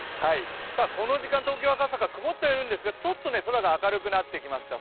この時間、東京・赤坂曇っているんですがちょっと空が明るくなってきました。